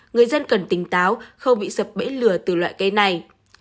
người dân cần tỉnh táo không bị sập bẫy lừa từ loại cây này